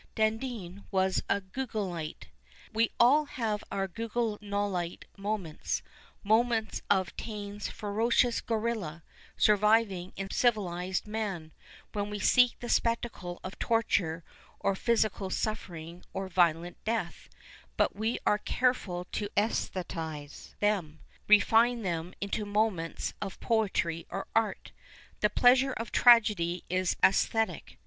Dandin was a Guignolite. We all have our Guignolite moments, moments of Taine's " ferocious gorilla " surviving in civilized man, when we seek the spectacle of torture or phy sical suffering or violent death ; but we are careful to wsthetize them, refine them into moments of poetry or art. The pleasure of tragedy is jcsthetic.